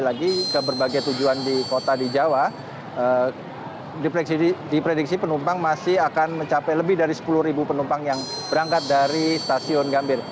lagi ke berbagai tujuan di kota di jawa diprediksi penumpang masih akan mencapai lebih dari sepuluh penumpang yang berangkat dari stasiun gambir